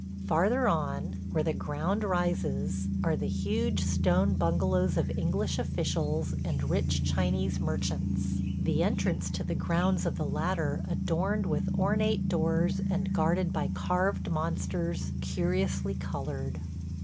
Farther on, where the ground rises, are the huge stone bungalows of English officials and rich Chinese merchants, the entrance to the grounds of the latter adorned with ornate doors and guarded by carved monsters, curiously colored.